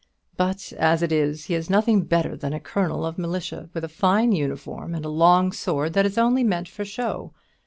But as it is, he is nothing better than a colonel of militia, with a fine uniform, and a long sword that is only meant for show.